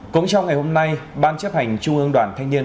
cũng trong ngày hôm nay ban chấp hành trung ương đoàn thanh niên